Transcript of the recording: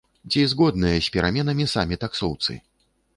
Ці згодныя з пераменамі самі таксоўцы?